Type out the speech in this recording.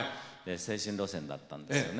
青春路線だったんですよね。